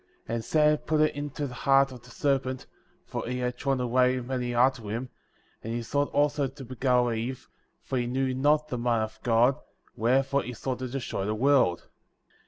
6. And Satan put it into the heart of the ser pent, (for he had drawn away many after him/) and he sought also to beguile Eve, for he knew not the mind of God, wherefore he sought to destroy the world.